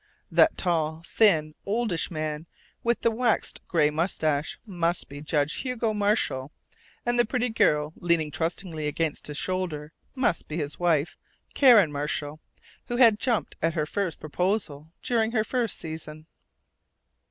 That tall, thin, oldish man, with the waxed grey mustache, must be Judge Hugo Marshall, and the pretty girl leaning trustingly against his shoulder must be his wife Karen Marshall, who had jumped at her first proposal during her first season.